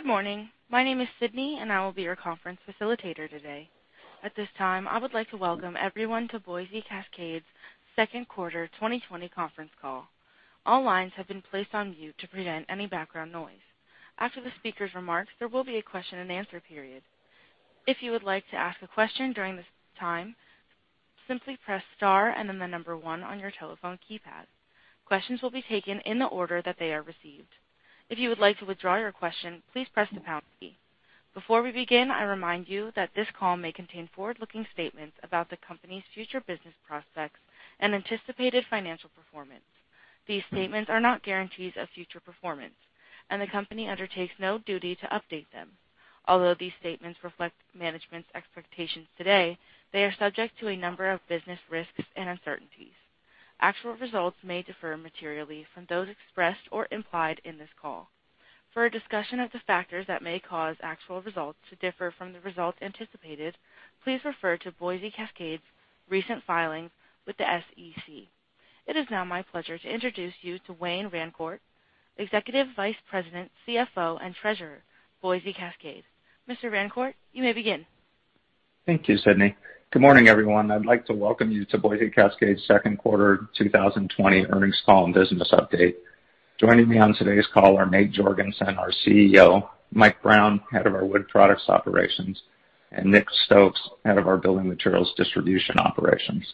Good morning. My name is Sydney, and I will be your conference facilitator today. At this time, I would like to welcome everyone to Boise Cascade's second quarter 2020 conference call. All lines have been placed on mute to prevent any background noise. After the speaker's remarks, there will be a question and answer period. If you would like to ask a question during this time, simply press star and then the number one on your telephone keypad. Questions will be taken in the order that they are received. If you would like to withdraw your question, please press the pound key. Before we begin, I remind you that this call may contain forward-looking statements about the company's future business prospects and anticipated financial performance. These statements are not guarantees of future performance, and the company undertakes no duty to update them. Although these statements reflect management's expectations today, they are subject to a number of business risks and uncertainties. Actual results may differ materially from those expressed or implied in this call. For a discussion of the factors that may cause actual results to differ from the results anticipated, please refer to Boise Cascade's recent filings with the SEC. It is now my pleasure to introduce you to Wayne Rancourt, Executive Vice President, CFO, and Treasurer, Boise Cascade. Mr. Rancourt, you may begin. Thank you, Sydney. Good morning, everyone. I'd like to welcome you to Boise Cascade's second quarter 2020 earnings call and business update. Joining me on today's call are Nate Jorgensen, our CEO, Mike Brown, head of our Wood Products operations, and Nick Stokes, head of our Building Materials Distribution operations.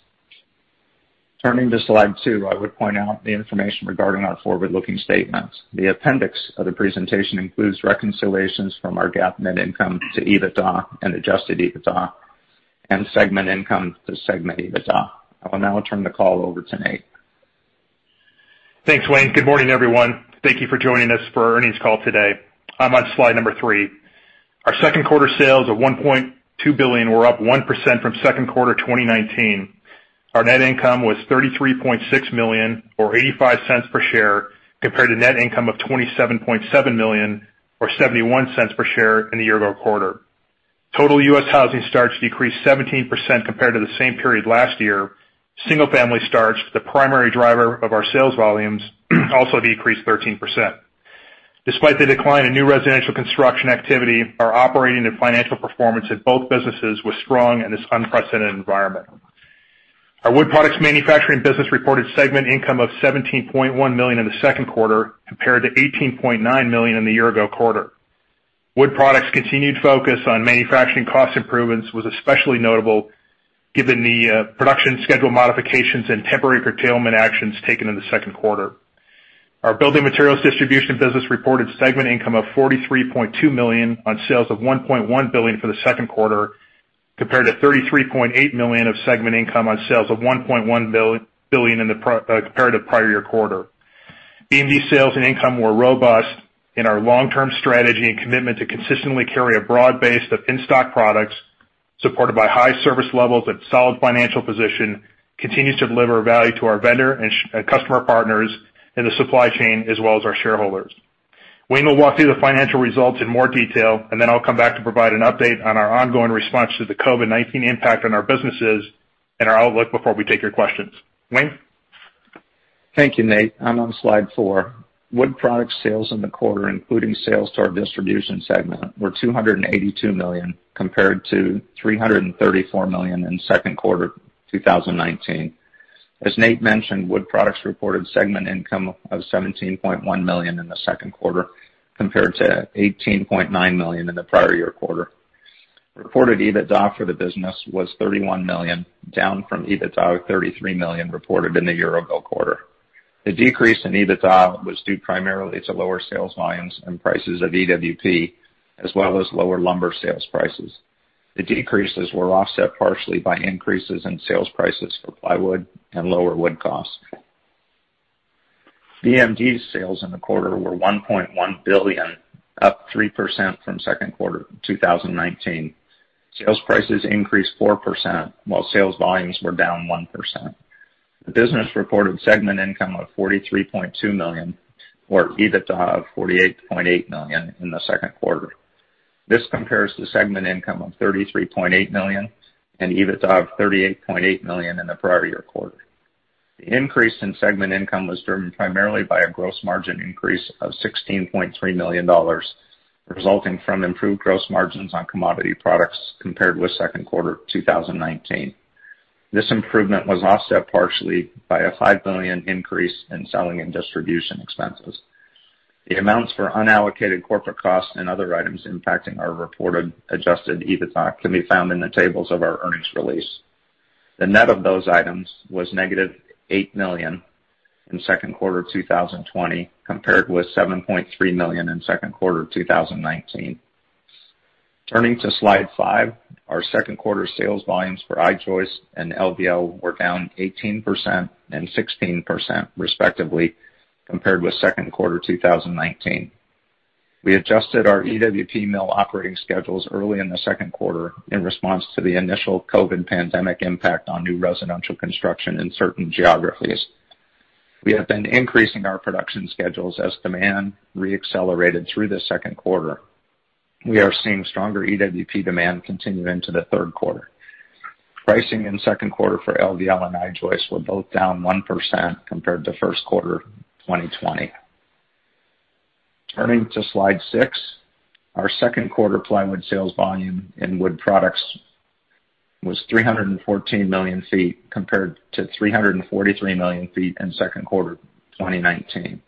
Turning to slide two, I would point out the information regarding our forward-looking statements. The appendix of the presentation includes reconciliations from our GAAP net income to EBITDA and adjusted EBITDA and segment income to segment EBITDA. I will now turn the call over to Nate. Thanks, Wayne. Good morning, everyone. Thank you for joining us for our earnings call today. I'm on slide number three. Our second quarter sales of $1.2 billion were up 1% from second quarter 2019. Our net income was $33.6 million, or $0.85 per share, compared to net income of $27.7 million, or $0.71 per share in the year-ago quarter. Total U.S. housing starts decreased 17% compared to the same period last year. Single-family starts, the primary driver of our sales volumes, also decreased 13%. Despite the decline in new residential construction activity, our operating and financial performance at both businesses was strong in this unprecedented environment. Our Wood Products manufacturing business reported segment income of $17.1 million in the second quarter, compared to $18.9 million in the year-ago quarter. Wood Products' continued focus on manufacturing cost improvements was especially notable given the production schedule modifications and temporary curtailment actions taken in the second quarter. Our Building Materials Distribution business reported segment income of $43.2 million on sales of $1.1 billion for the second quarter, compared to $33.8 million of segment income on sales of $1.1 billion in the comparative prior year quarter. BMD sales and income were robust in our long-term strategy and commitment to consistently carry a broad base of in-stock products, supported by high service levels and solid financial position, continues to deliver value to our vendor and customer partners in the supply chain, as well as our shareholders. Wayne will walk through the financial results in more detail, and then I'll come back to provide an update on our ongoing response to the COVID-19 impact on our businesses and our outlook before we take your questions. Wayne? Thank you, Nate. I'm on slide four. Wood Products sales in the quarter, including sales to our Distribution segment, were $282 million, compared to $334 million in second quarter 2019. As Nate mentioned, Wood Products reported segment income of $17.1 million in the second quarter, compared to $18.9 million in the prior year quarter. Reported EBITDA for the business was $31 million, down from EBITDA of $33 million reported in the year-ago quarter. The decrease in EBITDA was due primarily to lower sales volumes and prices of EWP, as well as lower lumber sales prices. The decreases were offset partially by increases in sales prices for plywood and lower wood costs. BMD's sales in the quarter were $1.1 billion, up 3% from second quarter 2019. Sales prices increased 4%, while sales volumes were down 1%. The business reported segment income of $43.2 million or EBITDA of $48.8 million in the second quarter. This compares to segment income of $33.8 million and EBITDA of $38.8 million in the prior year quarter. The increase in segment income was driven primarily by a gross margin increase of $16.3 million, resulting from improved gross margins on commodity products compared with second quarter 2019. This improvement was offset partially by a $5 million increase in selling and distribution expenses. The amounts for unallocated corporate costs and other items impacting our reported adjusted EBITDA can be found in the tables of our earnings release. The net of those items was negative $8 million in second quarter 2020, compared with $7.3 million in second quarter 2019. Turning to slide five, our second quarter sales volumes for I-joist and LVL were down 18% and 16%, respectively, compared with second quarter 2019. We adjusted our EWP mill operating schedules early in the second quarter in response to the initial COVID pandemic impact on new residential construction in certain geographies. We have been increasing our production schedules as demand re-accelerated through the second quarter. We are seeing stronger EWP demand continue into the third quarter. Pricing in second quarter for LVL and I-joist were both down 1% compared to first quarter 2020. Turning to slide six, our second quarter plywood sales volume in Wood Products was 314 million feet, compared to 343 million feet in second quarter 2019.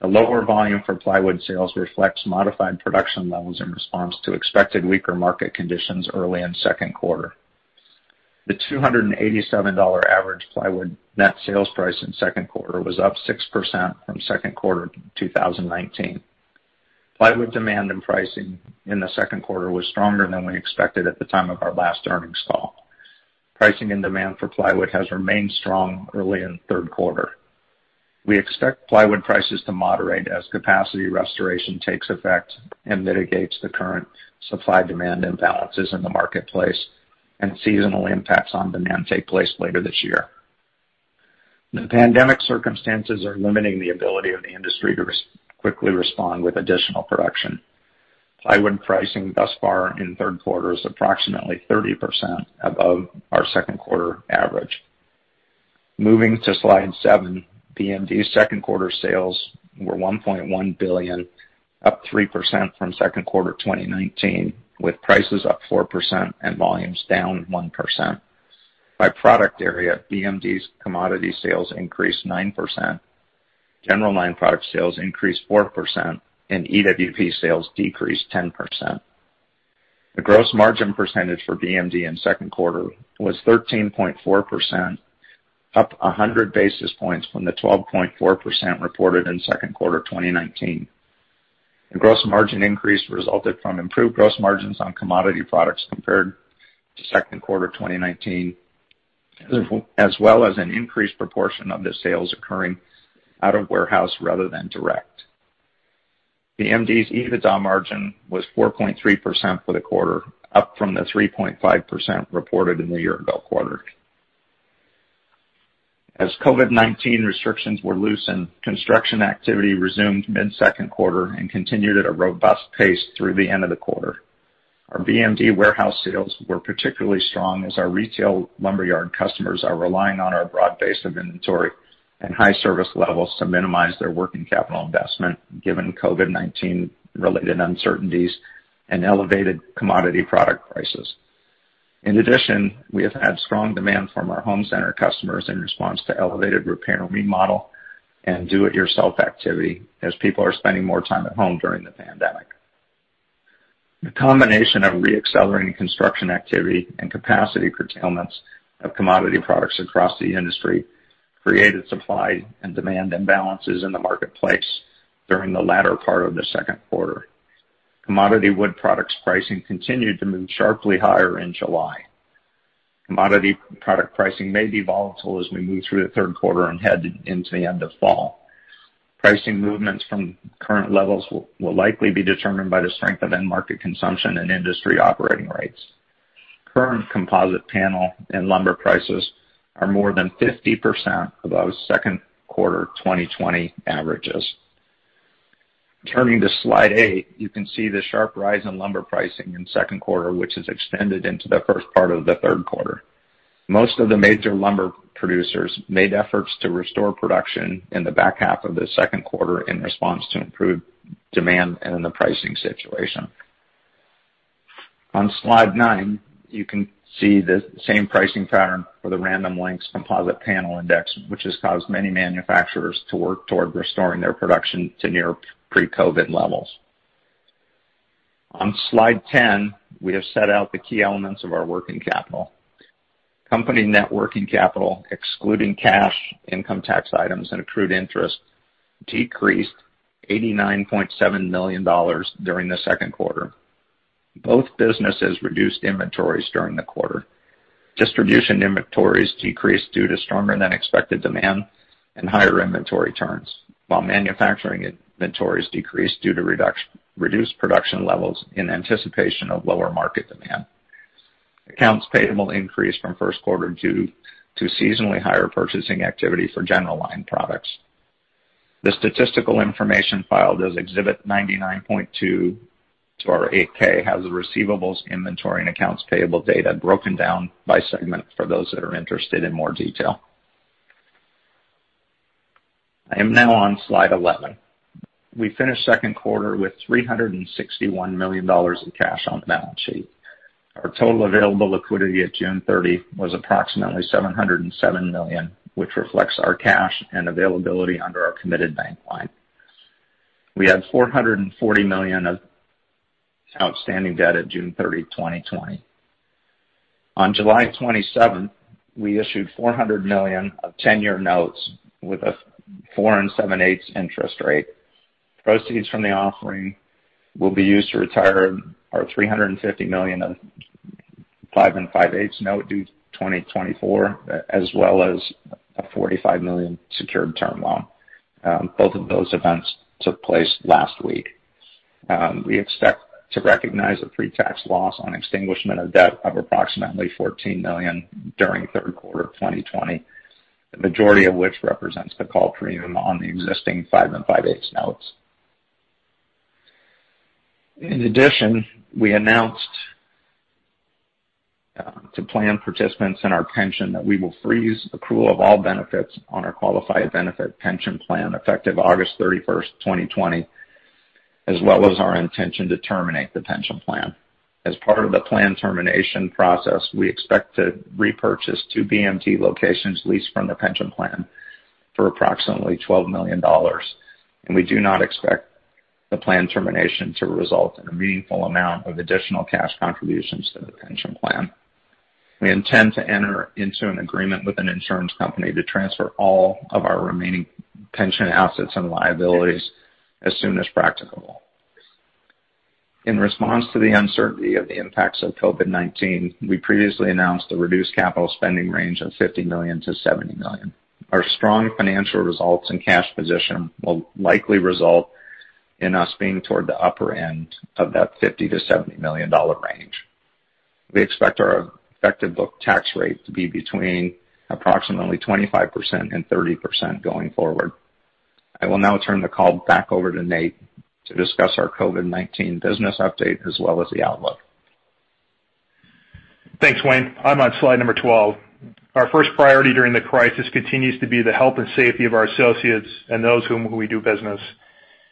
The lower volume for plywood sales reflects modified production levels in response to expected weaker market conditions early in second quarter. The $287 average plywood net sales price in second quarter was up 6% from second quarter 2019. Plywood demand and pricing in the second quarter was stronger than we expected at the time of our last earnings call. Pricing and demand for plywood has remained strong early in the third quarter. We expect plywood prices to moderate as capacity restoration takes effect and mitigates the current supply-demand imbalances in the marketplace, and seasonal impacts on demand take place later this year. The pandemic circumstances are limiting the ability of the industry to quickly respond with additional production. Plywood pricing thus far in the third quarter is approximately 30% above our second-quarter average. Moving to slide seven, BMD's second-quarter sales were $1.1 billion, up 3% from second quarter 2019, with prices up 4% and volumes down 1%. By product area, BMD's commodity sales increased 9%, general line product sales increased 4%, and EWP sales decreased 10%. The gross margin percentage for BMD in second quarter was 13.4%, up 100 basis points from the 12.4% reported in second quarter 2019. The gross margin increase resulted from improved gross margins on commodity products compared to second quarter 2019, as well as an increased proportion of the sales occurring out of warehouse rather than direct. BMD's EBITDA margin was 4.3% for the quarter, up from the 3.5% reported in the year-ago quarter. As COVID-19 restrictions were loosened, construction activity resumed mid-second quarter and continued at a robust pace through the end of the quarter. Our BMD warehouse sales were particularly strong as our retail lumberyard customers are relying on our broad base of inventory and high service levels to minimize their working capital investment, given COVID-19-related uncertainties and elevated commodity product prices. We have had strong demand from our home center customers in response to elevated repair and remodel and do-it-yourself activity as people are spending more time at home during the pandemic. The combination of re-accelerating construction activity and capacity curtailments of commodity products across the industry created supply and demand imbalances in the marketplace during the latter part of the second quarter. Commodity Wood Products pricing continued to move sharply higher in July. Commodity product pricing may be volatile as we move through the third quarter and head into the end of fall. Pricing movements from current levels will likely be determined by the strength of end market consumption and industry operating rates. Current composite panel and lumber prices are more than 50% above second quarter 2020 averages. Turning to slide eight, you can see the sharp rise in lumber pricing in second quarter, which has extended into the first part of the third quarter. Most of the major lumber producers made efforts to restore production in the back half of the second quarter in response to improved demand and the pricing situation. On slide nine, you can see the same pricing pattern for the Random Lengths Structural Panel Composite Price, which has caused many manufacturers to work toward restoring their production to near pre-COVID levels. On slide 10, we have set out the key elements of our working capital. Company net working capital, excluding cash, income tax items, and accrued interest, decreased $89.7 million during the second quarter. Both businesses reduced inventories during the quarter. Distribution inventories decreased due to stronger-than-expected demand and higher inventory turns, while manufacturing inventories decreased due to reduced production levels in anticipation of lower market demand. Accounts payable increased from first quarter due to seasonally higher purchasing activity for general line products. The statistical information filed as Exhibit 99.2 to our 8-K has the receivables, inventory, and accounts payable data broken down by segment for those that are interested in more detail. I am now on slide 11. We finished second quarter with $361 million in cash on the balance sheet. Our total available liquidity at June 30 was approximately $707 million, which reflects our cash and availability under our committed bank line. We had $440 million of outstanding debt at June 30, 2020. On July 27, we issued $400 million of 10-year notes with a 4 7/8 interest rate. Proceeds from the offering will be used to retire our $350 million of 5 5/8 note due 2024, as well as a $45 million secured term loan. Both of those events took place last week. We expect to recognize a pretax loss on extinguishment of debt of approximately $14 million during the third quarter of 2020, the majority of which represents the call premium on the existing 5 5/8 notes. In addition, we announced to plan participants in our pension that we will freeze accrual of all benefits on our qualified benefit pension plan effective August 31st, 2020, as well as our intention to terminate the pension plan. As part of the plan termination process, we expect to repurchase two BMD locations leased from the pension plan for approximately $12 million. We do not expect the plan termination to result in a meaningful amount of additional cash contributions to the pension plan. We intend to enter into an agreement with an insurance company to transfer all of our remaining pension assets and liabilities as soon as practicable. In response to the uncertainty of the impacts of COVID-19, we previously announced a reduced capital spending range of $50-70 million. Our strong financial results and cash position will likely result in us being toward the upper end of that $50-70 million range. We expect our effective book tax rate to be between approximately 25% and 30% going forward. I will now turn the call back over to Nate to discuss our COVID-19 business update as well as the outlook. Thanks, Wayne. I'm on slide number 12. Our first priority during the crisis continues to be the health and safety of our associates and those whom we do business.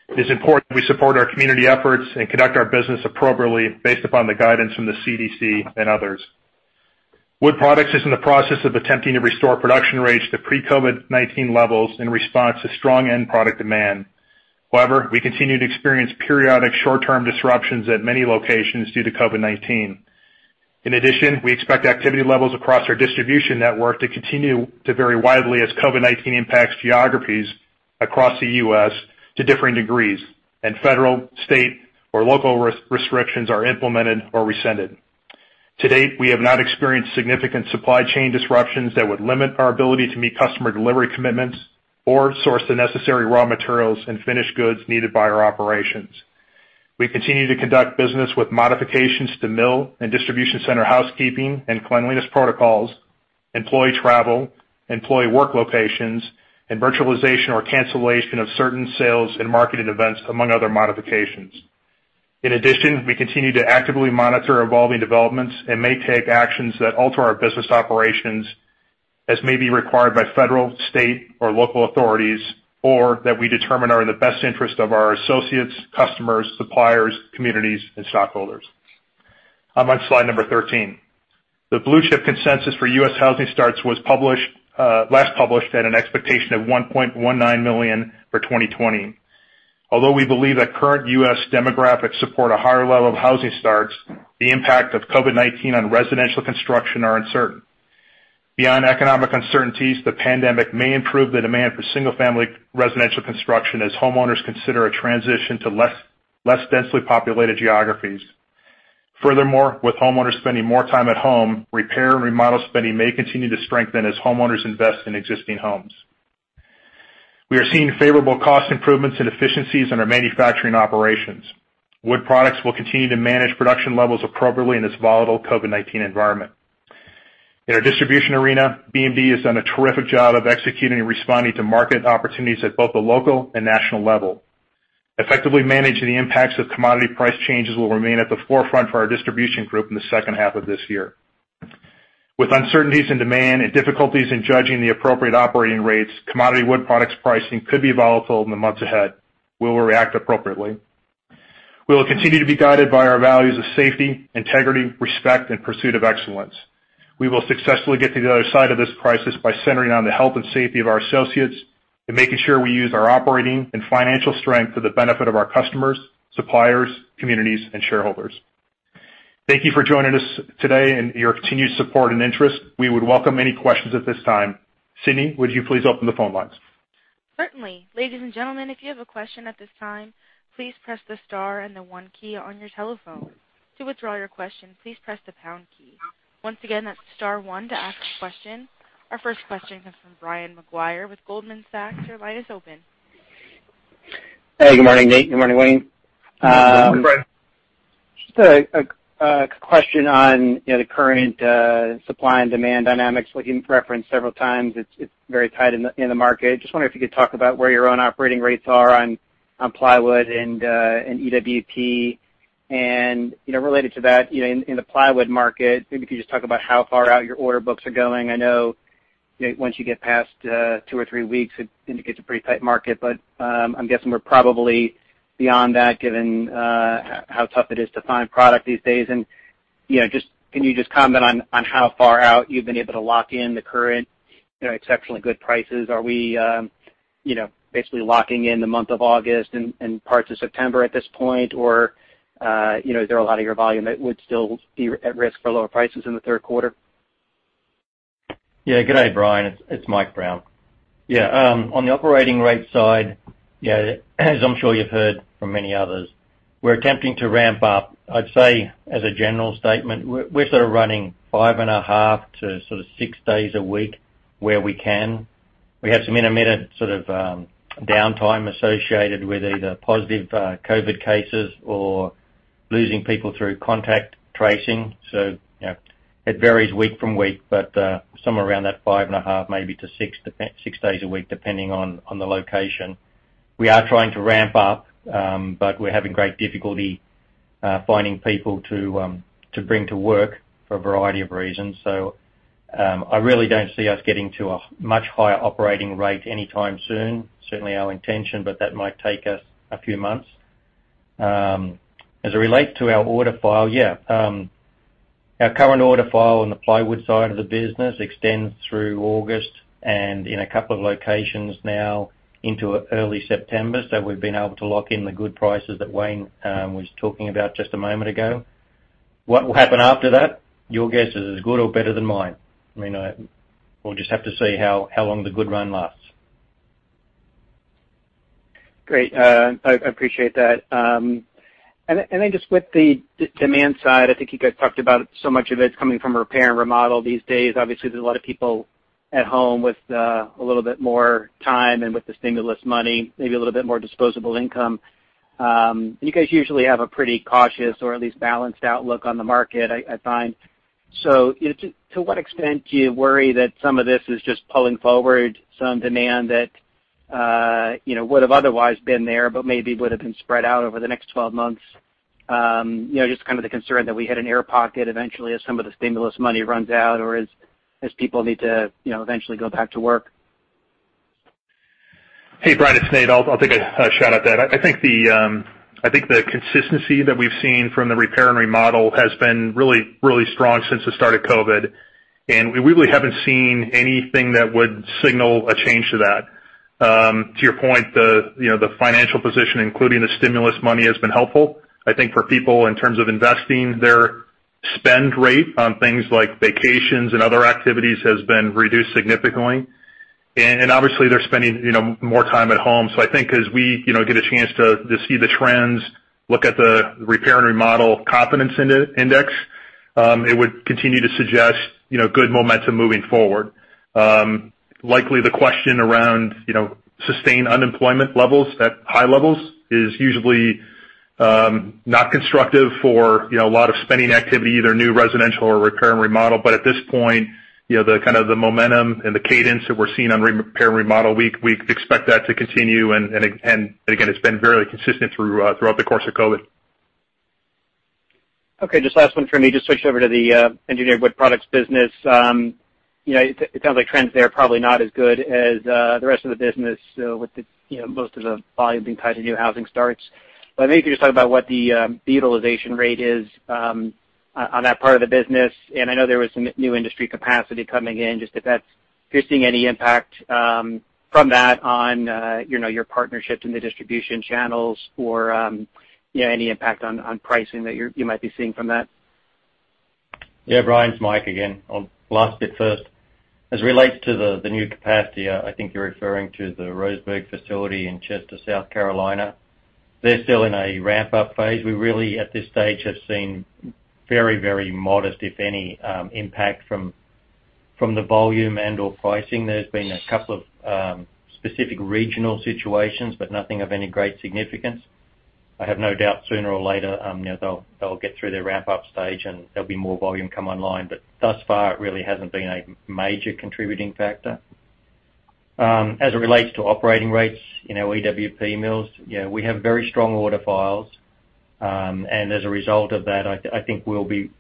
It is important that we support our community efforts and conduct our business appropriately based upon the guidance from the CDC and others. Wood Products is in the process of attempting to restore production rates to pre-COVID-19 levels in response to strong end product demand. However, we continue to experience periodic short-term disruptions at many locations due to COVID-19. In addition, we expect activity levels across our distribution network to continue to vary widely as COVID-19 impacts geographies across the U.S. to differing degrees and federal, state, or local restrictions are implemented or rescinded. To date, we have not experienced significant supply chain disruptions that would limit our ability to meet customer delivery commitments or source the necessary raw materials and finished goods needed by our operations. We continue to conduct business with modifications to mill and distribution center housekeeping and cleanliness protocols, employee travel, employee work locations, and virtualization or cancellation of certain sales and marketing events, among other modifications. We continue to actively monitor evolving developments and may take actions that alter our business operations as may be required by federal, state, or local authorities, or that we determine are in the best interest of our associates, customers, suppliers, communities, and stockholders. I'm on slide number 13. The Blue Chip consensus for U.S. housing starts was last published at an expectation of 1.19 million for 2020. Although we believe that current U.S. demographics support a higher level of housing starts, the impact of COVID-19 on residential construction are uncertain. Beyond economic uncertainties, the pandemic may improve the demand for single-family residential construction as homeowners consider a transition to less densely populated geographies. Furthermore, with homeowners spending more time at home, repair and remodel spending may continue to strengthen as homeowners invest in existing homes. We are seeing favorable cost improvements and efficiencies in our manufacturing operations. Wood Products will continue to manage production levels appropriately in this volatile COVID-19 environment. In our distribution arena, BMD has done a terrific job of executing and responding to market opportunities at both the local and national level. Effectively managing the impacts of commodity price changes will remain at the forefront for our distribution group in the second half of this year. With uncertainties in demand and difficulties in judging the appropriate operating rates, commodity wood products pricing could be volatile in the months ahead. We will react appropriately. We will continue to be guided by our values of safety, integrity, respect, and pursuit of excellence. We will successfully get to the other side of this crisis by centering on the health and safety of our associates and making sure we use our operating and financial strength for the benefit of our customers, suppliers, communities, and shareholders. Thank you for joining us today and your continued support and interest. We would welcome any questions at this time. Sydney, would you please open the phone lines? Certainly. Ladies and gentlemen, if you have a question at this time, please press the star and the one key on your telephone. To withdraw your question, please press the pound key. Once again, that's star one to ask a question. Our first question comes from Brian Maguire with Goldman Sachs. Your line is open. Hey, good morning, Nate. Good morning, Wayne. Good morning, Brian. Just a question on the current supply and demand dynamics, which you referenced several times. It's very tight in the market. Just wondering if you could talk about where your own operating rates are on plywood and EWP. Related to that, in the plywood market, maybe if you could just talk about how far out your order books are going. I know once you get past two or three weeks, it indicates a pretty tight market. I'm guessing we're probably beyond that given how tough it is to find product these days. Can you just comment on how far out you've been able to lock in the current exceptionally good prices? Are we basically locking in the month of August and parts of September at this point? Is there a lot of your volume that would still be at risk for lower prices in the third quarter? Yeah, good day, Brian. It's Mike Brown. On the operating rate side, as I'm sure you've heard from many others, we're attempting to ramp up. I'd say, as a general statement, we're sort of running 5.5 to sort of six days a week where we can. We have some intermittent sort of downtime associated with either positive COVID cases or losing people through contact tracing. It varies week from week, but somewhere around that 5.5 maybe to six days a week, depending on the location. We are trying to ramp up, but we're having great difficulty finding people to bring to work for a variety of reasons. I really don't see us getting to a much higher operating rate anytime soon. Certainly our intention, but that might take us a few months. As it relates to our order file. Our current order file on the plywood side of the business extends through August and in a couple of locations now into early September. We've been able to lock in the good prices that Wayne was talking about just a moment ago. What will happen after that? Your guess is as good or better than mine. We'll just have to see how long the good run lasts. Great. I appreciate that. Just with the demand side, I think you guys talked about it, so much of it's coming from repair and remodel these days. Obviously, there's a lot of people at home with a little bit more time and with the stimulus money, maybe a little bit more disposable income. You guys usually have a pretty cautious or at least balanced outlook on the market, I find. To what extent do you worry that some of this is just pulling forward some demand that would have otherwise been there, but maybe would have been spread out over the next 12 months? Just kind of the concern that we hit an air pocket eventually as some of the stimulus money runs out or as people need to eventually go back to work? Hey, Brian, it's Nate. I'll take a shot at that. I think the consistency that we've seen from the repair and remodel has been really, really strong since the start of COVID-19, and we really haven't seen anything that would signal a change to that. To your point, the financial position, including the stimulus money, has been helpful. I think for people in terms of investing their spend rate on things like vacations and other activities has been reduced significantly. Obviously, they're spending more time at home. I think as we get a chance to see the trends, look at the repair and remodel confidence index, it would continue to suggest good momentum moving forward. Likely the question around sustained unemployment levels at high levels is usually not constructive for a lot of spending activity, either new residential or repair and remodel. At this point, the kind of the momentum and the cadence that we're seeing on repair and remodel, we expect that to continue, and again, it's been very consistent throughout the course of COVID. Okay, just last one for me. Just switching over to the Wood Products business. I think you just talked about what the utilization rate is on that part of the business, and I know there was some new industry capacity coming in, just if you're seeing any impact from that on your partnerships in the distribution channels or any impact on pricing that you might be seeing from that? Yeah, Brian, it's Mike again. I'll last bit first. It relates to the new capacity, I think you're referring to the Roseburg facility in Chester, South Carolina. They're still in a ramp-up phase. We really, at this stage, have seen very modest, if any, impact from the volume and/or pricing. There's been a couple of specific regional situations, nothing of any great significance. I have no doubt sooner or later they'll get through their ramp-up stage, and there'll be more volume come online. Thus far, it really hasn't been a major contributing factor. It relates to operating rates in our EWP mills, we have very strong order files. As a result of that, I think we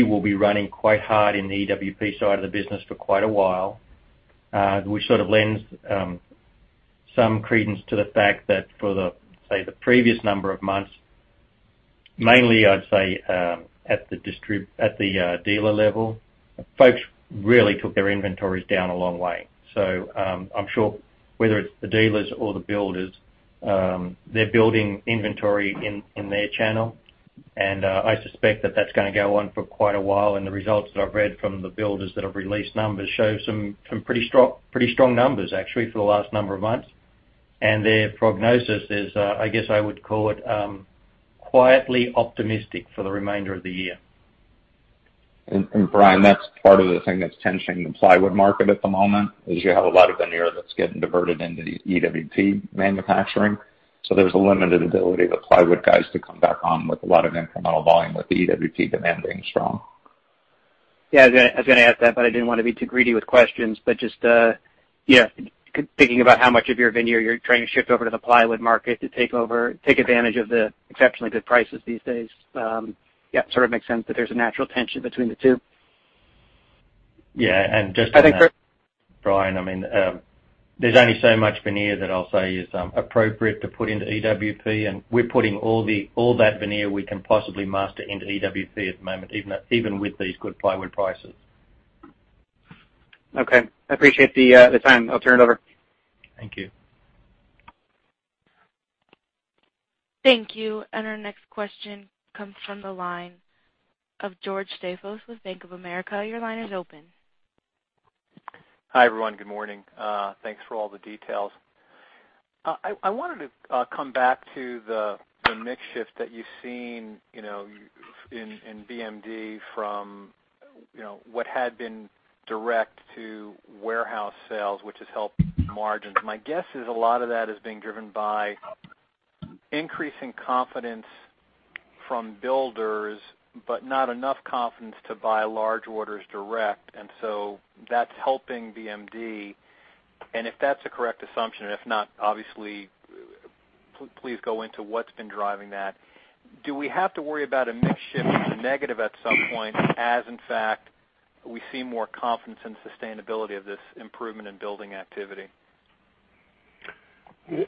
will be running quite hard in the EWP side of the business for quite a while, which sort of lends some credence to the fact that for the, say, the previous number of months, mainly, I'd say, at the dealer level, folks really took their inventories down a long way. I'm sure whether it's the dealers or the builders, they're building inventory in their channel, and I suspect that that's going to go on for quite a while, and the results that I've read from the builders that have released numbers show some pretty strong numbers, actually, for the last number of months. Their prognosis is, I guess I would call it quietly optimistic for the remainder of the year. Brian, that's part of the thing that's tensioning the plywood market at the moment, is you have a lot of veneer that's getting diverted into EWP manufacturing. There's a limited ability of the plywood guys to come back on with a lot of incremental volume with the EWP demand being strong. Yeah, I was going to ask that, but I didn't want to be too greedy with questions. Just thinking about how much of your veneer you're trying to shift over to the plywood market to take advantage of the exceptionally good prices these days. Yeah, sort of makes sense that there's a natural tension between the two. Yeah. I think- Brian, there's only so much veneer that I'll say is appropriate to put into EWP, and we're putting all that veneer we can possibly muster into EWP at the moment, even with these good plywood prices. Okay. I appreciate the time. I'll turn it over. Thank you. Thank you. Our next question comes from the line of George Staphos with Bank of America. Your line is open. Hi, everyone. Good morning. Thanks for all the details. I wanted to come back to the mix shift that you've seen in BMD from what had been direct to warehouse sales, which has helped margins. My guess is a lot of that is being driven by increasing confidence from builders, but not enough confidence to buy large orders direct. That's helping BMD. If that's a correct assumption, if not, obviously, please go into what's been driving that. Do we have to worry about a mix shift to the negative at some point, as in fact, we see more confidence in sustainability of this improvement in building activity?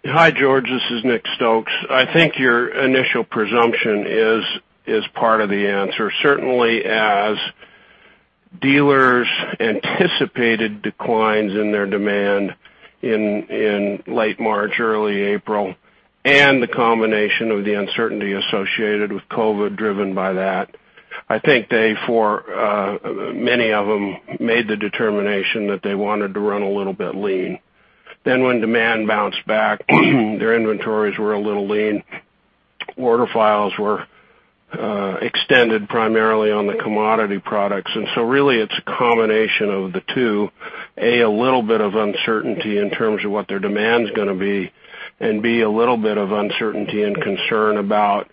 Hi, George. This is Nick Stokes. I think your initial presumption is part of the answer. Certainly, as dealers anticipated declines in their demand in late March, early April, and the combination of the uncertainty associated with COVID driven by that, I think they, for many of them, made the determination that they wanted to run a little bit lean. When demand bounced back, their inventories were a little lean. Order files were extended primarily on the commodity products. Really, it's a combination of the two. A, a little bit of uncertainty in terms of what their demand's going to be, and B, a little bit of uncertainty and concern about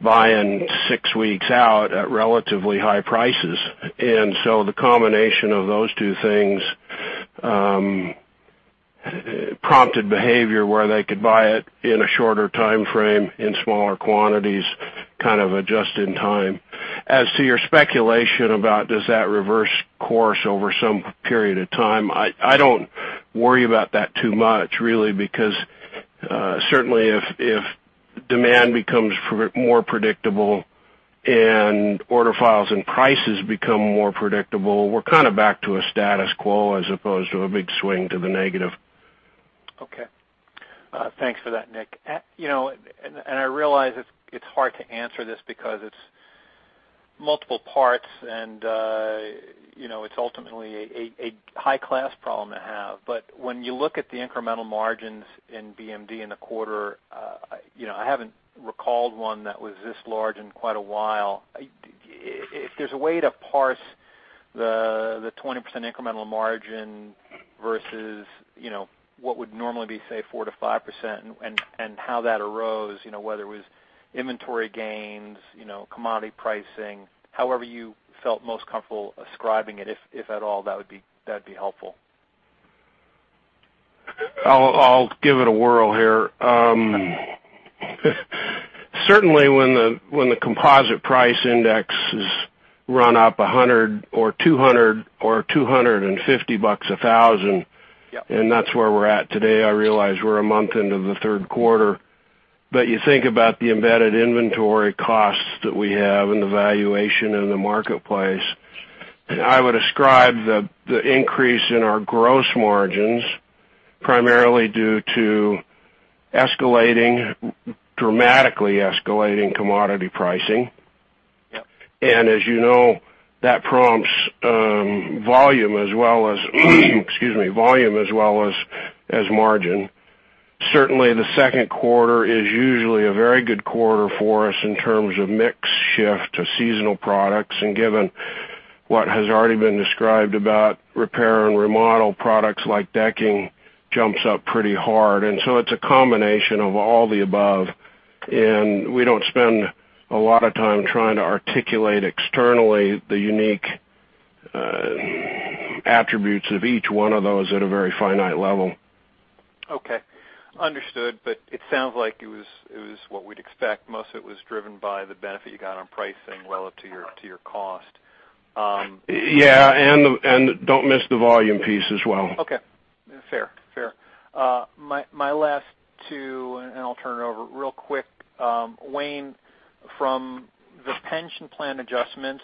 buying six weeks out at relatively high prices. The combination of those two things prompted behavior where they could buy it in a shorter timeframe, in smaller quantities, kind of just in time. As to your speculation about does that reverse course over some period of time, I don't worry about that too much, really, because certainly if demand becomes more predictable and order files and prices become more predictable, we're kind of back to a status quo as opposed to a big swing to the negative. Okay. Thanks for that, Nick. I realize it's hard to answer this because it's multiple parts and it's ultimately a high-class problem to have. When you look at the incremental margins in BMD in the quarter, I haven't recalled one that was this large in quite a while. If there's a way to parse the 20% incremental margin versus what would normally be, say, 4%-5% and how that arose, whether it was inventory gains, commodity pricing, however you felt most comfortable ascribing it, if at all, that'd be helpful. I'll give it a whirl here. Certainly when the composite price index has run up $100 or $200 or $250. Yep That's where we're at today. I realize we're a month into the third quarter. You think about the embedded inventory costs that we have and the valuation in the marketplace. I would ascribe the increase in our gross margins primarily due to escalating, dramatically escalating commodity pricing. Yep. As you know, that prompts volume as well as excuse me, volume as well as margin. Certainly, the second quarter is usually a very good quarter for us in terms of mix shift of seasonal products. Given what has already been described about repair and remodel products like decking jumps up pretty hard. It's a combination of all the above, and we don't spend a lot of time trying to articulate externally the unique attributes of each one of those at a very finite level. Okay. Understood. It sounds like it was what we'd expect. Most it was driven by the benefit you got on pricing relative to your cost. Yeah, don't miss the volume piece as well. Okay. Fair. My last two, and I'll turn it over. Real quick, Wayne, from the pension plan adjustments,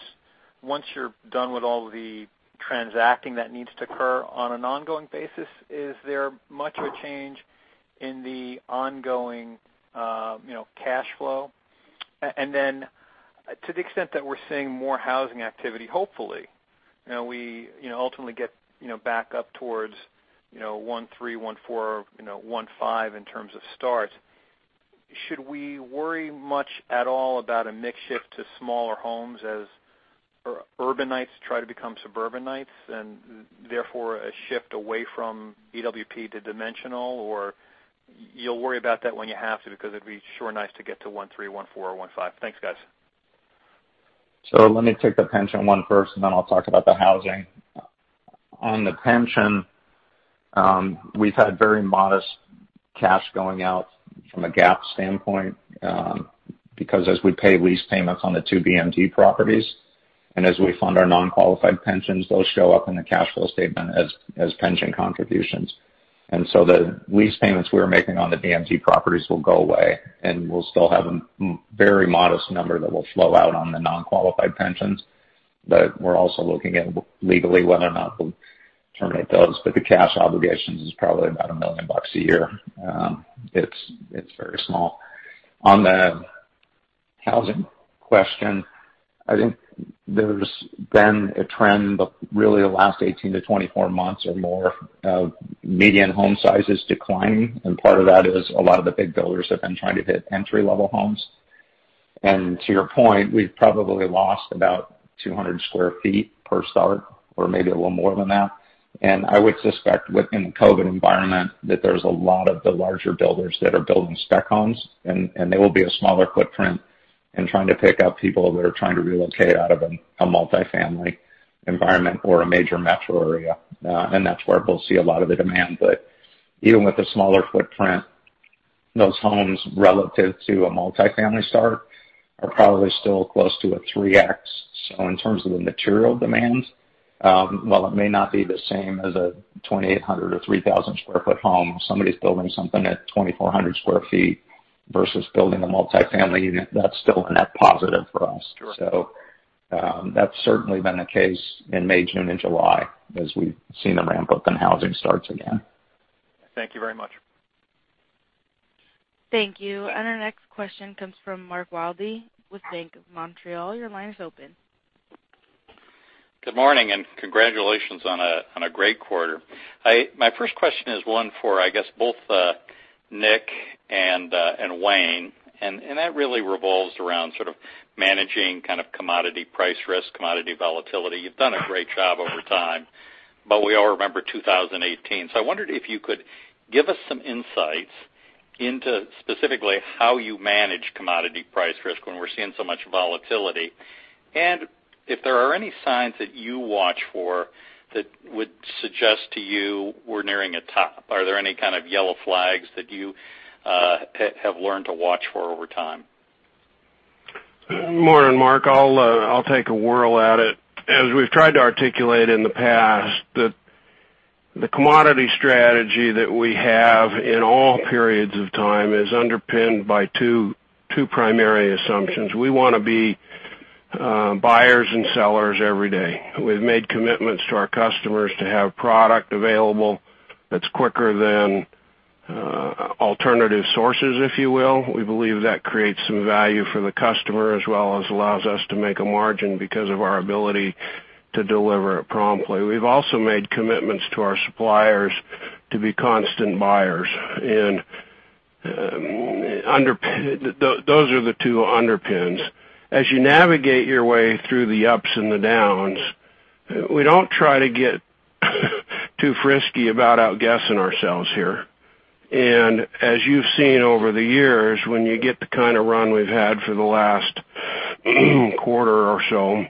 once you're done with all the transacting that needs to occur on an ongoing basis, is there much of a change in the ongoing cash flow? Then to the extent that we're seeing more housing activity, hopefully, we ultimately get back up towards 1.3, 1.4, 1.5 in terms of starts. Should we worry much at all about a mix shift to smaller homes as urbanites try to become suburbanites and therefore a shift away from EWP to dimensional? You'll worry about that when you have to because it'd be sure nice to get to 1.3, 1.4, 1.5. Thanks, guys. Let me take the pension one first, and then I'll talk about the housing. On the pension, we've had very modest cash going out from a GAAP standpoint, because as we pay lease payments on the two BMD properties, and as we fund our non-qualified pensions, those show up in the cash flow statement as pension contributions. The lease payments we're making on the BMD properties will go away, and we'll still have a very modest number that will flow out on the non-qualified pensions. We're also looking at legally whether or not we'll terminate those. The cash obligations is probably about $1 million a year. It's very small. On the housing question, I think there's been a trend of really the last 18-24 months or more of median home sizes declining, and part of that is a lot of the big builders have been trying to hit entry-level homes. To your point, we've probably lost about 200 sq ft per start, or maybe a little more than that. I would suspect within the COVID-19 environment, that there's a lot of the larger builders that are building spec homes, and they will be a smaller footprint and trying to pick up people that are trying to relocate out of a multifamily environment or a major metro area. That's where we'll see a lot of the demand. Even with the smaller footprint, those homes relative to a multifamily start are probably still close to a 3x. In terms of the material demands, while it may not be the same as a 2,800 or 3,000 square foot home, somebody's building something at 2,400 square feet versus building a multifamily unit, that's still a net positive for us. Sure. That's certainly been the case in May, June, and July as we've seen them ramp up in housing starts again. Thank you very much. Thank you. Our next question comes from Mark Wilde with Bank of Montreal. Your line is open. Good morning, and congratulations on a great quarter. My first question is one for, I guess both Nick and Wayne, and that really revolves around sort of managing kind of commodity price risk, commodity volatility. You've done a great job over time, but we all remember 2018. I wondered if you could give us some insights into specifically how you manage commodity price risk when we're seeing so much volatility. If there are any signs that you watch for that would suggest to you we're nearing a top. Are there any kind of yellow flags that you have learned to watch for over time? Morning, Mark. I'll take a whirl at it. As we've tried to articulate in the past that the commodity strategy that we have in all periods of time is underpinned by two primary assumptions. We want to be buyers and sellers every day. We've made commitments to our customers to have product available that's quicker than alternative sources, if you will. We believe that creates some value for the customer as well as allows us to make a margin because of our ability to deliver it promptly. We've also made commitments to our suppliers to be constant buyers. Those are the two underpins. As you navigate your way through the ups and the downs, we don't try to get too frisky about outguessing ourselves here. As you've seen over the years, when you get the kind of run we've had for the last quarter or so,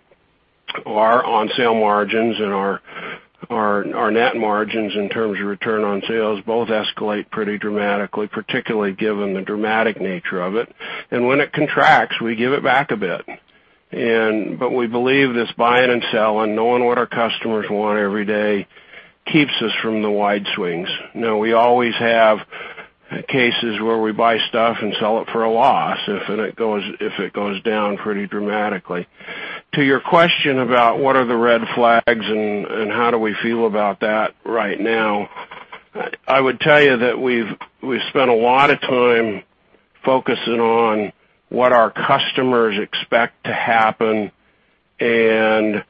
our on-sale margins and our net margins in terms of return on sales both escalate pretty dramatically, particularly given the dramatic nature of it. When it contracts, we give it back a bit. We believe this buying and selling, knowing what our customers want every day, keeps us from the wide swings. Now, we always have cases where we buy stuff and sell it for a loss if it goes down pretty dramatically. To your question about what are the red flags and how do we feel about that right now, I would tell you that we've spent a lot of time focusing on what our customers expect to happen and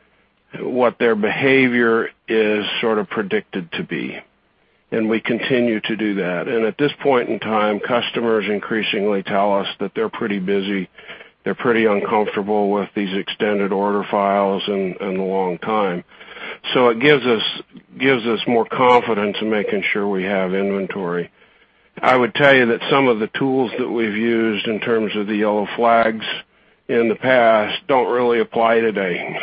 what their behavior is sort of predicted to be, and we continue to do that. At this point in time, customers increasingly tell us that they're pretty busy, they're pretty uncomfortable with these extended order files and the long time. It gives us more confidence in making sure we have inventory. I would tell you that some of the tools that we've used in terms of the yellow flags in the past don't really apply today.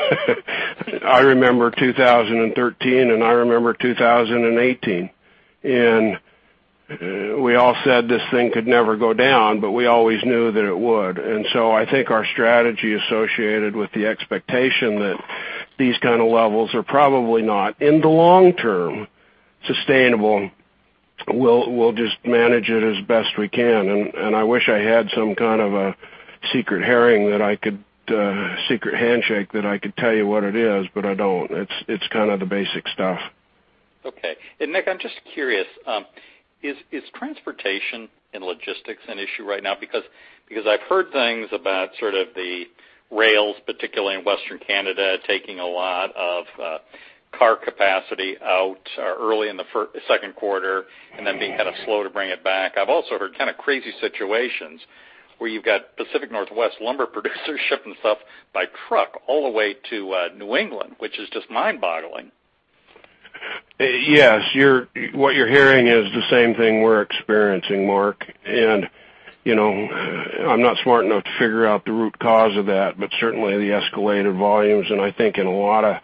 I remember 2013, and I remember 2018, and we all said this thing could never go down, but we always knew that it would. I think our strategy associated with the expectation that these kind of levels are probably not, in the long term, sustainable. We'll just manage it as best we can. I wish I had some kind of a secret herring that I could secret handshake that I could tell you what it is, but I don't. It's kind of the basic stuff. Okay. Nick, I'm just curious, is transportation and logistics an issue right now? I've heard things about sort of the rails, particularly in Western Canada, taking a lot of car capacity out early in the second quarter and then being kind of slow to bring it back. I've also heard kind of crazy situations where you've got Pacific Northwest lumber producers shipping stuff by truck all the way to New England, which is just mind-boggling. Yes. What you're hearing is the same thing we're experiencing, Mark. I'm not smart enough to figure out the root cause of that, but certainly the escalated volumes, and I think in a lot of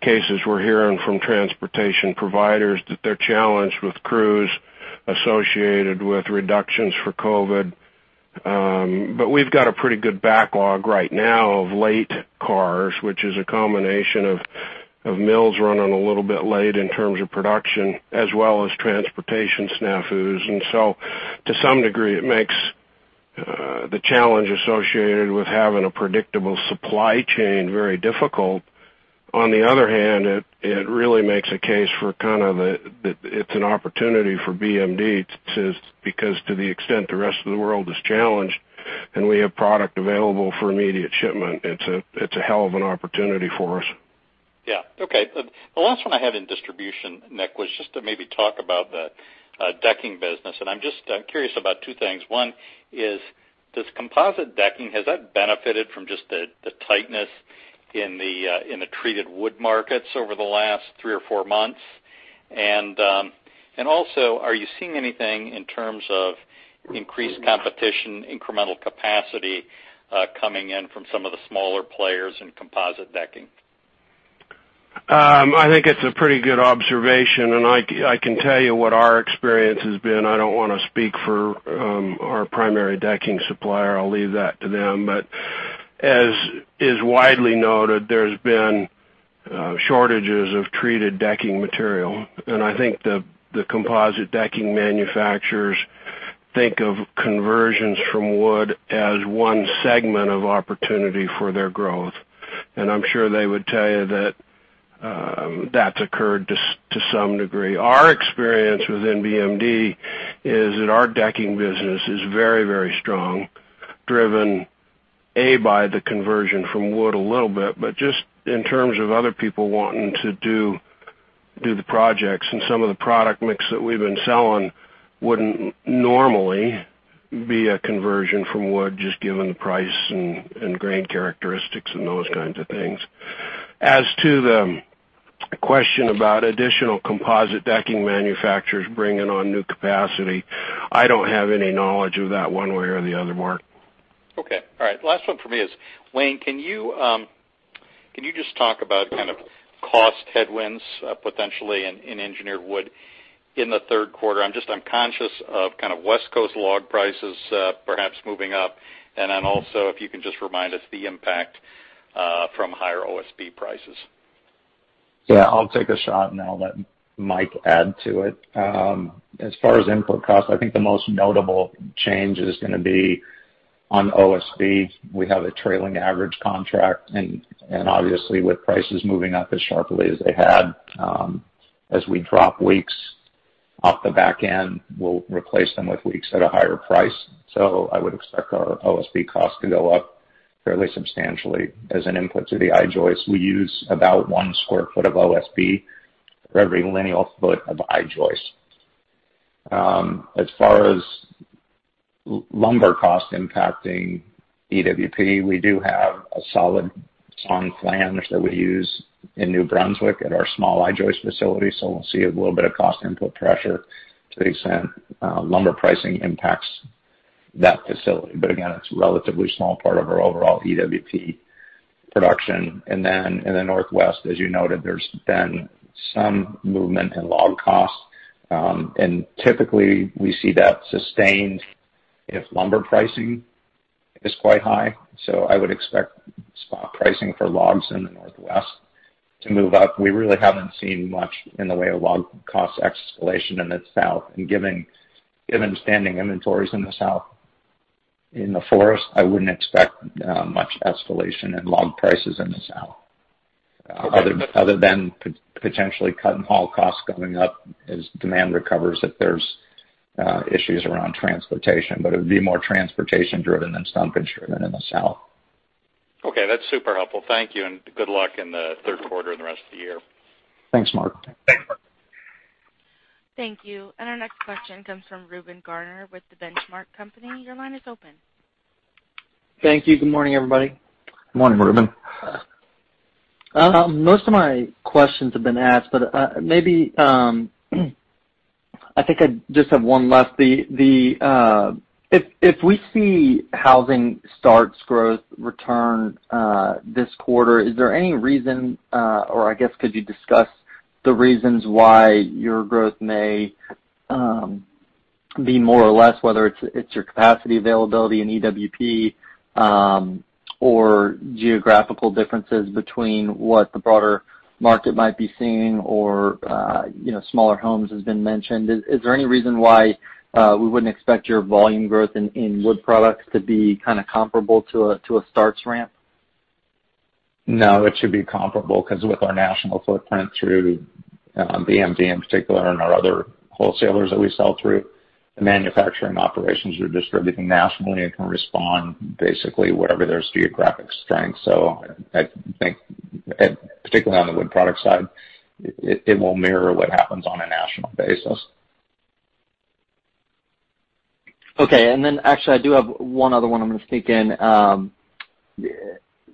cases, we're hearing from transportation providers that they're challenged with crews associated with reductions for COVID. We've got a pretty good backlog right now of late cars, which is a combination of mills running a little bit late in terms of production as well as transportation snafus. To some degree, it makes the challenge associated with having a predictable supply chain very difficult. On the other hand, it really makes a case for that it's an opportunity for BMD because to the extent the rest of the world is challenged and we have product available for immediate shipment, it's a hell of an opportunity for us. Yeah. Okay. The last one I had in distribution, Nick, was just to maybe talk about the decking business, and I'm curious about two things. One is, does composite decking, has that benefited from just the tightness in the treated wood markets over the last three or four months? Are you seeing anything in terms of increased competition, incremental capacity, coming in from some of the smaller players in composite decking? I think it's a pretty good observation, and I can tell you what our experience has been. I don't want to speak for our primary decking supplier. I'll leave that to them. As is widely noted, there's been shortages of treated decking material, and I think the composite decking manufacturers think of conversions from wood as one segment of opportunity for their growth. I'm sure they would tell you that that's occurred to some degree. Our experience within BMD is that our decking business is very strong, driven, A, by the conversion from wood a little bit, but just in terms of other people wanting to do the projects and some of the product mix that we've been selling wouldn't normally be a conversion from wood, just given the price and grain characteristics and those kinds of things. As to the question about additional composite decking manufacturers bringing on new capacity, I don't have any knowledge of that one way or the other, Mark. Okay. All right. Last one from me is, Wayne, can you just talk about kind of cost headwinds potentially in engineered wood in the third quarter? I'm conscious of kind of West Coast log prices perhaps moving up. Also, if you can just remind us the impact from higher OSB prices. I'll take a shot, and then I'll let Mike add to it. As far as input cost, I think the most notable change is going to be on OSB. We have a trailing average contract, and obviously, with prices moving up as sharply as they had, as we drop weeks off the back end, we'll replace them with weeks at a higher price. I would expect our OSB cost to go up fairly substantially as an input to the I-joist. We use about one square foot of OSB for every lineal foot of I-joist. As far as lumber cost impacting EWP, we do have a solid sawn flange that we use in New Brunswick at our small I-joist facility, so we'll see a little bit of cost input pressure to the extent lumber pricing impacts that facility. Again, it's a relatively small part of our overall EWP production. Then in the Northwest, as you noted, there's been some movement in log costs. I would expect spot pricing for logs in the Northwest to move up. We really haven't seen much in the way of log cost escalation in the South, and given standing inventories in the South in the forest, I wouldn't expect much escalation in log prices in the South other than potentially cut and haul costs going up as demand recovers if there's issues around transportation. It would be more transportation driven than stumpage driven in the South. Okay, that's super helpful. Thank you. Good luck in the third quarter and the rest of the year. Thanks, Mark. Thanks, Mark. Thank you. Our next question comes from Reuben Garner with The Benchmark Company. Your line is open. Thank you. Good morning, everybody. Good morning, Reuben. Most of my questions have been asked, but maybe I think I just have one left. If we see housing starts growth return this quarter, is there any reason or I guess, could you discuss the reasons why your growth may be more or less, whether it's your capacity availability in EWP or geographical differences between what the broader market might be seeing or smaller homes has been mentioned. Is there any reason why we wouldn't expect your volume growth in Wood Products to be kind of comparable to a starts ramp? It should be comparable because with our national footprint through BMD in particular and our other wholesalers that we sell through, the manufacturing operations are distributing nationally and can respond basically wherever there's geographic strength. I think particularly on the wood product side, it will mirror what happens on a national basis. Okay, actually, I do have one other one I'm going to sneak in.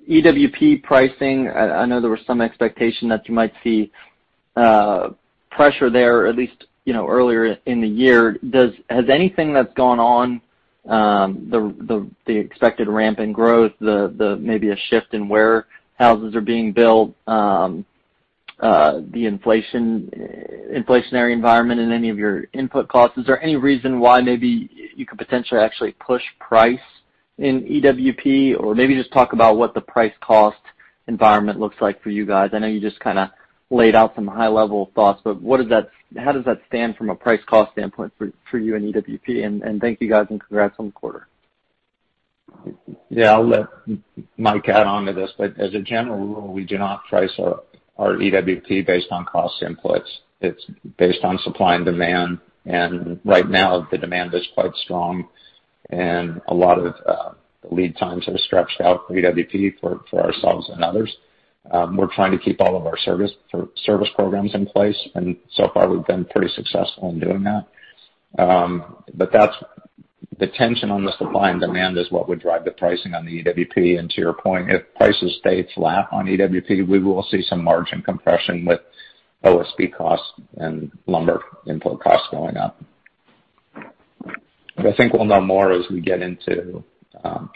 EWP pricing, I know there was some expectation that you might see pressure there, at least earlier in the year. Has anything that's gone on, the expected ramp in growth, maybe a shift in where houses are being built, the inflationary environment in any of your input costs, is there any reason why maybe you could potentially actually push price in EWP? Maybe just talk about what the price cost environment looks like for you guys. I know you just kind of laid out some high-level thoughts, how does that stand from a price cost standpoint for you and EWP? Thank you, guys, and congrats on the quarter. Yeah, I'll let Mike add onto this, but as a general rule, we do not price our EWP based on cost inputs. It's based on supply and demand, and right now, the demand is quite strong. A lot of lead times have stretched out for EWP for ourselves and others. We're trying to keep all of our service programs in place, and so far, we've been pretty successful in doing that. The tension on the supply and demand is what would drive the pricing on the EWP. To your point, if prices stay flat on EWP, we will see some margin compression with OSB costs and lumber input costs going up. I think we'll know more as we get into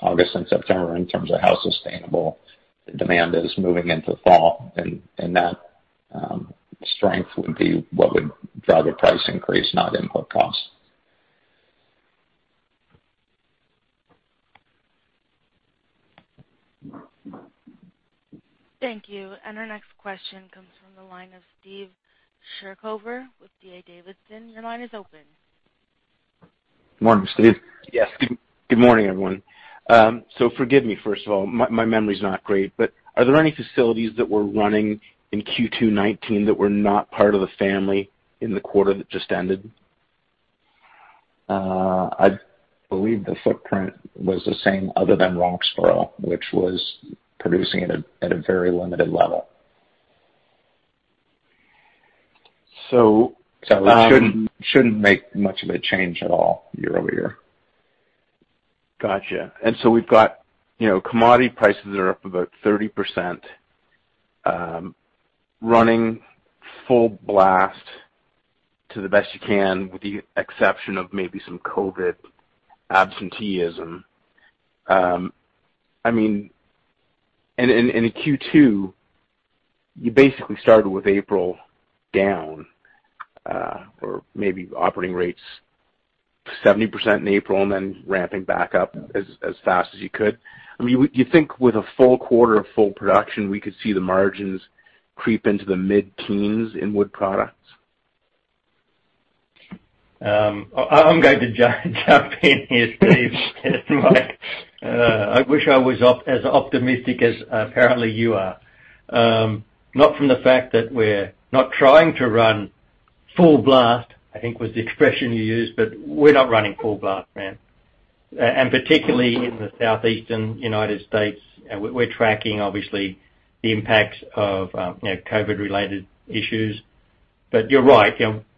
August and September in terms of how sustainable the demand is moving into fall, and that strength would be what would drive a price increase, not input costs. Thank you. Our next question comes from the line of Steve Chercover with D.A. Davidson. Your line is open. Morning, Steve. Yes. Good morning, everyone. Forgive me, first of all, my memory's not great, but are there any facilities that were running in Q2 2019 that were not part of the family in the quarter that just ended? I believe the footprint was the same, other than Roxboro, which was producing at a very limited level. So- It shouldn't make much of a change at all year-over-year. Got you. We've got commodity prices are up about 30%, running full blast to the best you can, with the exception of maybe some COVID absenteeism. In Q2, you basically started with April down, or maybe operating rates 70% in April, and then ramping back up as fast as you could. Do you think with a full quarter of full production, we could see the margins creep into the mid-teens in Wood Products? I'm going to jump in here, Steve. I wish I was as optimistic as apparently you are. Not from the fact that we're not trying to run full blast, I think, was the expression you used, but we're not running full blast, man. Particularly in the Southeastern United States, we're tracking, obviously, the impacts of COVID-related issues. You're right.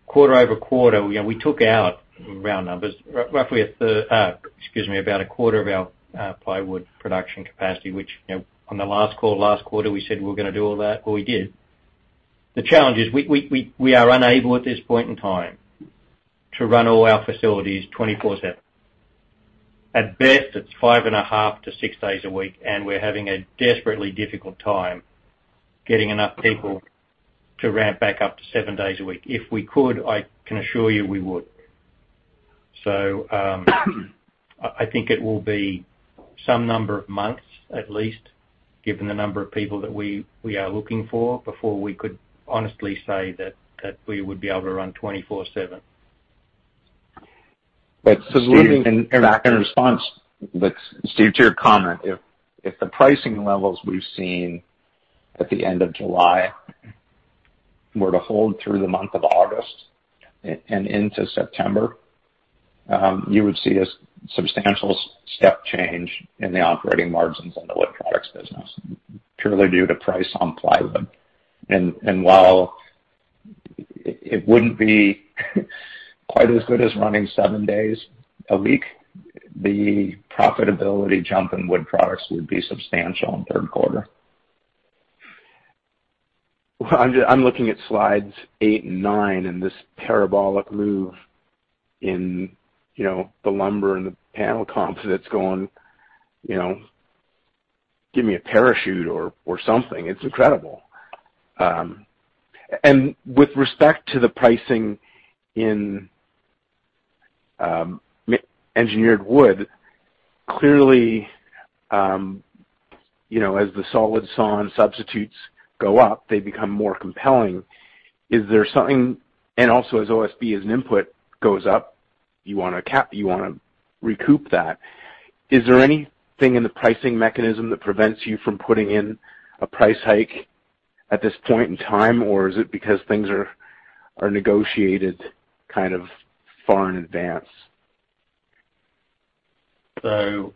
Quarter over quarter, we took out, round numbers, roughly about a quarter of our plywood production capacity, which, on the last call last quarter, we said we were going to do all that, well, we did. The challenge is we are unable at this point in time to run all our facilities 24/7. At best, it's five and a half to six days a week, and we're having a desperately difficult time getting enough people to ramp back up to seven days a week. If we could, I can assure you we would. I think it will be some number of months at least, given the number of people that we are looking for, before we could honestly say that we would be able to run 24/7. In response, Steve, to your comment, if the pricing levels we've seen at the end of July were to hold through the month of August and into September, you would see a substantial step change in the operating margins on the Wood Products business, purely due to price on plywood. While it wouldn't be quite as good as running seven days a week, the profitability jump in Wood Products would be substantial in the third quarter. I'm looking at slides eight and nine. This parabolic move in the lumber and the panel comps, that's going, give me a parachute or something. It's incredible. With respect to the pricing in engineered wood, clearly as the solid sawn substitutes go up, they become more compelling. Also as OSB as an input goes up, you want to recoup that. Is there anything in the pricing mechanism that prevents you from putting in a price hike at this point in time, or is it because things are negotiated kind of far in advance? Steve,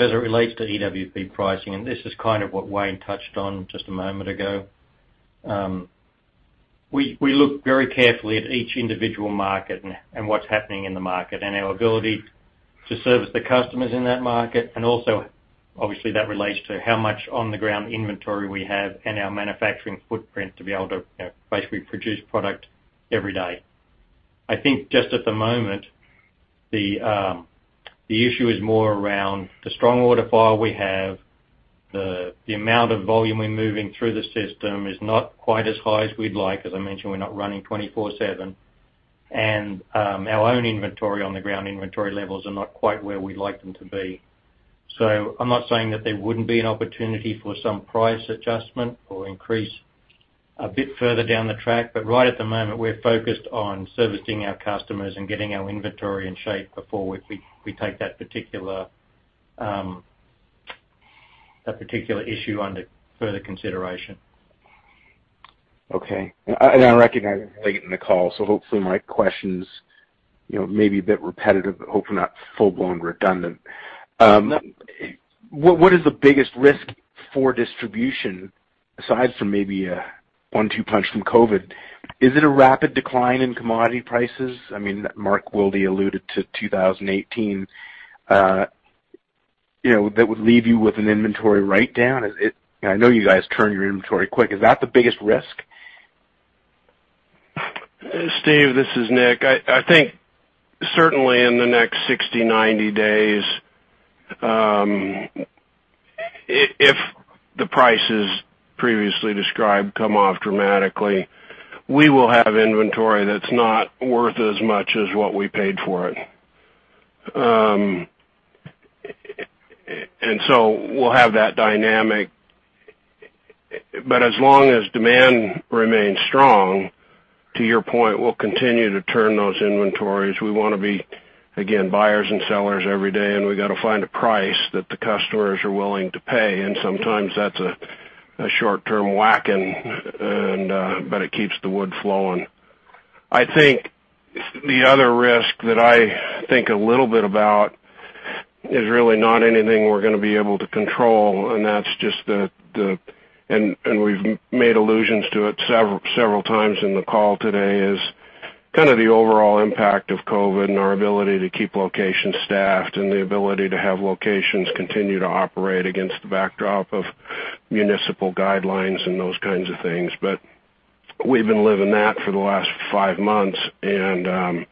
as it relates to EWP pricing, and this is kind of what Wayne touched on just a moment ago, we look very carefully at each individual market and what's happening in the market and our ability to service the customers in that market, and also obviously that relates to how much on-the-ground inventory we have and our manufacturing footprint to be able to basically produce product every day. I think just at the moment, the issue is more around the strong order file we have. The amount of volume we're moving through the system is not quite as high as we'd like. As I mentioned, we're not running 24/7. Our own inventory, on-the-ground inventory levels are not quite where we'd like them to be. I'm not saying that there wouldn't be an opportunity for some price adjustment or increase a bit further down the track, but right at the moment, we're focused on servicing our customers and getting our inventory in shape before we take that particular issue under further consideration. Okay. I recognize I'm late in the call, so hopefully my questions may be a bit repetitive, but hopefully not full-blown redundant. What is the biggest risk for distribution aside from maybe a one-two punch from COVID? Is it a rapid decline in commodity prices? Mark Wilde alluded to 2018, that would leave you with an inventory write-down. I know you guys turn your inventory quick. Is that the biggest risk? Steve, this is Nick. I think certainly in the next 60, 90 days, if the prices previously described come off dramatically, we will have inventory that's not worth as much as what we paid for it. We'll have that dynamic, but as long as demand remains strong, to your point, we'll continue to turn those inventories. We want to be, again, buyers and sellers every day, and we got to find a price that the customers are willing to pay, and sometimes that's a short-term whackin, but it keeps the wood flowing. I think the other risk that I think a little bit about is really not anything we're going to be able to control, and we've made allusions to it several times in the call today, is kind of the overall impact of COVID-19 and our ability to keep locations staffed and the ability to have locations continue to operate against the backdrop of municipal guidelines and those kinds of things. We've been living that for the last five months, and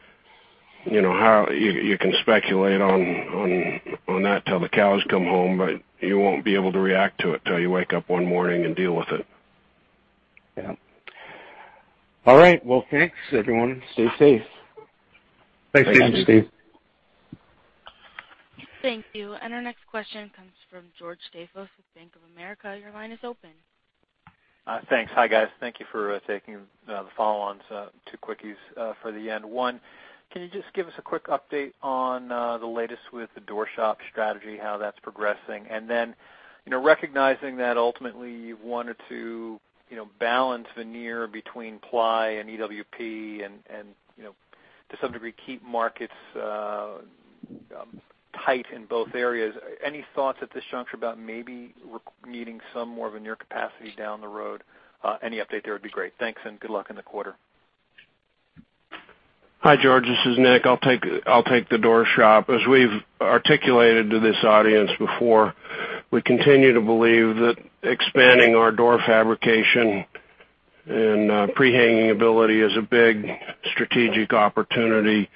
you can speculate on that till the cows come home, but you won't be able to react to it till you wake up one morning and deal with it. Yeah. All right. Well, thanks, everyone. Stay safe. Thanks, Steve. Thank you. Our next question comes from George Staphos with Bank of America. Your line is open. Thanks. Hi, guys. Thank you for taking the follow-ons. Two quickies for the end. One, can you just give us a quick update on the latest with the door shop strategy, how that's progressing? Recognizing that ultimately you wanted to balance veneer between ply and EWP and, to some degree, keep markets tight in both areas, any thoughts at this juncture about maybe needing some more veneer capacity down the road? Any update there would be great. Thanks, and good luck in the quarter. Hi, George. This is Nick. I'll take the door shop. As we've articulated to this audience before, we continue to believe that expanding our door fabrication and pre-hanging ability is a big strategic opportunity.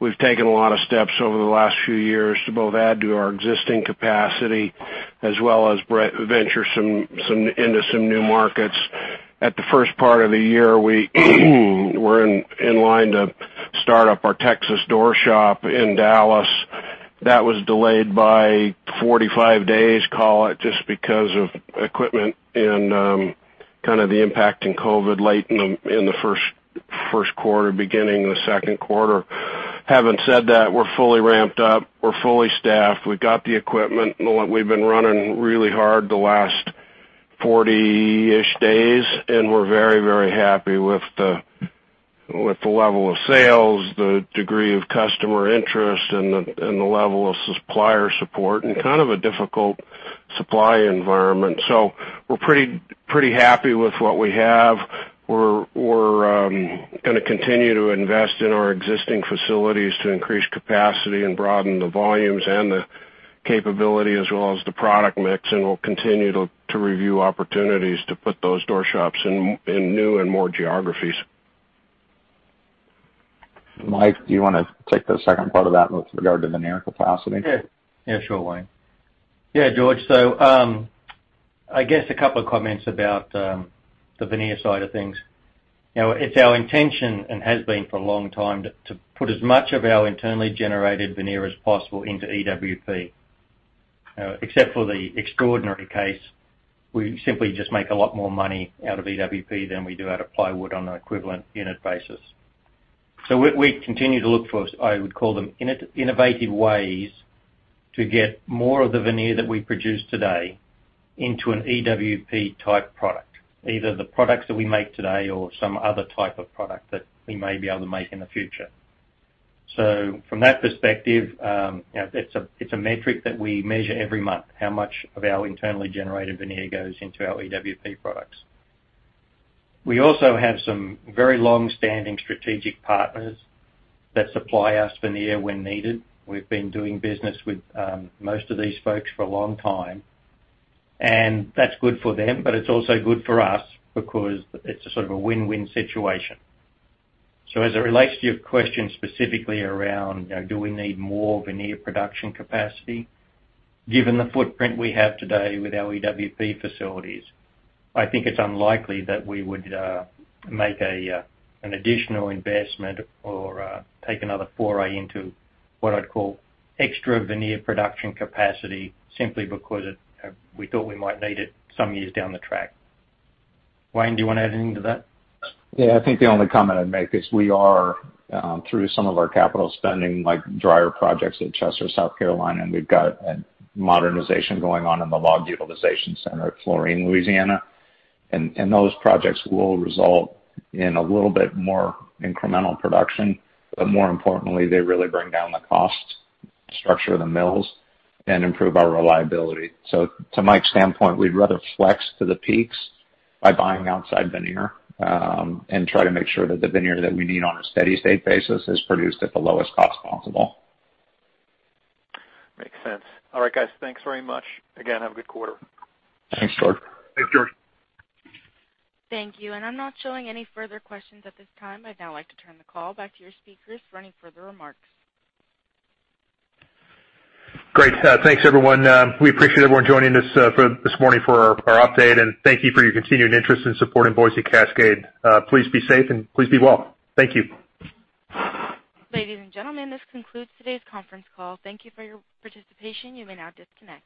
We've taken a lot of steps over the last few years to both add to our existing capacity as well as venture into some new markets. At the first part of the year, we were in line to start up our Texas door shop in Dallas. That was delayed by 45 days, call it, just because of equipment and kind of the impact in COVID-19 late in the first quarter, beginning of the second quarter. Having said that, we're fully ramped up. We're fully staffed. We've got the equipment. We've been running really hard the last 40-ish days, and we're very happy with the level of sales, the degree of customer interest, and the level of supplier support in kind of a difficult supply environment. We're pretty happy with what we have. We're going to continue to invest in our existing facilities to increase capacity and broaden the volumes and the capability as well as the product mix, and we'll continue to review opportunities to put those door shops in new and more geographies. Mike, do you want to take the second part of that with regard to veneer capacity? Yeah, sure, Wayne. Yeah, George, I guess a couple of comments about the veneer side of things. It's our intention, and has been for a long time, to put as much of our internally generated veneer as possible into EWP. Except for the extraordinary case, we simply just make a lot more money out of EWP than we do out of plywood on an equivalent unit basis. We continue to look for, I would call them, innovative ways to get more of the veneer that we produce today into an EWP-type product, either the products that we make today or some other type of product that we may be able to make in the future. From that perspective, it's a metric that we measure every month, how much of our internally generated veneer goes into our EWP products. We also have some very long-standing strategic partners that supply us veneer when needed. That's good for them, but it's also good for us because it's a sort of a win-win situation. As it relates to your question specifically around do we need more veneer production capacity, given the footprint we have today with our EWP facilities, I think it's unlikely that we would make an additional investment or take another foray into what I'd call extra veneer production capacity simply because we thought we might need it some years down the track. Wayne, do you want to add anything to that? Yeah, I think the only comment I'd make is we are through some of our capital spending, like dryer projects at Chester, South Carolina, and we've got a modernization going on in the log utilization center at Florien, Louisiana. Those projects will result in a little bit more incremental production. More importantly, they really bring down the cost structure of the mills and improve our reliability. To Mike's standpoint, we'd rather flex to the peaks by buying outside veneer and try to make sure that the veneer that we need on a steady-state basis is produced at the lowest cost possible. Makes sense. All right, guys. Thanks very much. Again, have a good quarter. Thanks, George. Thanks, George. Thank you. I'm not showing any further questions at this time. I'd now like to turn the call back to your speakers for any further remarks. Great. Thanks, everyone. We appreciate everyone joining us this morning for our update, and thank you for your continued interest and support in Boise Cascade. Please be safe and please be well. Thank you. Ladies and gentlemen, this concludes today's conference call. Thank you for your participation. You may now disconnect.